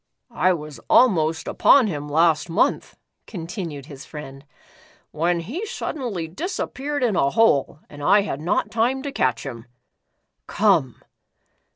"I was almost upon him last month," contin ued his friend, "when he suddenly disappeared in a hole and I had not time to catch him. Come."